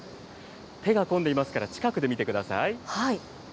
手が込んでいますから、近くで見てください。